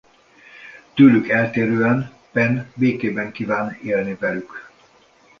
Tőlük eltérően Penn békében kíván élni velük.